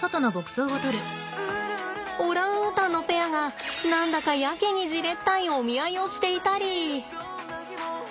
オランウータンのペアが何だかやけにじれったいお見合いをしていたり。